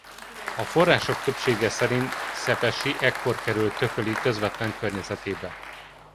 A források többsége szerint Szepessy ekkor került Thököly közvetlen környezetébe.